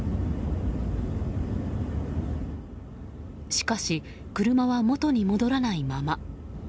しかし、車は元に戻らないまま。